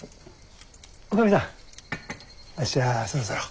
女将さんあっしはそろそろ。